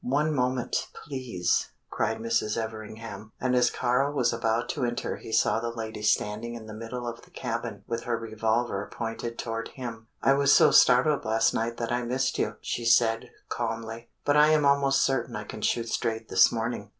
"One moment, please!" cried Mrs. Everingham, and as Kāra was about to enter he saw the lady standing in the middle of the cabin with her revolver pointed toward him. "I was so startled last night that I missed you," she said, calmly; "but I am almost certain I can shoot straight this morning."